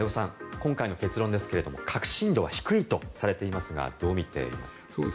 今回の結論ですが確信度は低いとされていますがどう見ていますか。